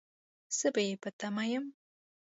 زه به يې په تمه يم